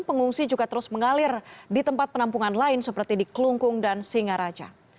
pengungsi juga terus mengalir di tempat penampungan lain seperti di kelungkung dan singaraja